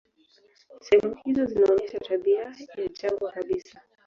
Sehemu hizo zinaonyesha tabia ya jangwa kabisa.